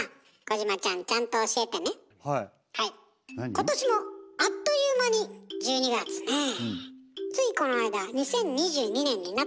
今年もあっという間に１２月ねえ。